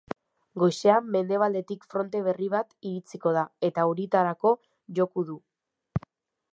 Goizean mendebaldetik fronte berri bat iritsiko da eta euritarako joko du.